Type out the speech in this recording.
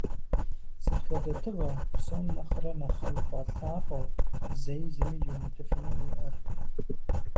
Сыт хуэдэ тыгъэ псом нэхърэ нэхъ уфӏэлъапӏэу, зэи зыми йумытыфыну уиӏэр?